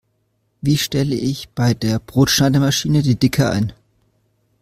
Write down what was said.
Wie stelle ich bei der Brotschneidemaschine die Dicke ein?